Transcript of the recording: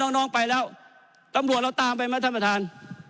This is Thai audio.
น้องไปแล้วตำรวจเราตามไปไหมท่านประธาน